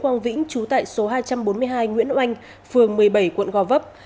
quang vĩnh trú tại số hai trăm bốn mươi hai nguyễn oanh phường một mươi bảy quận gò vấp